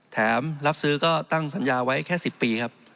รับซื้อก็ตั้งสัญญาไว้แค่๑๐ปีครับ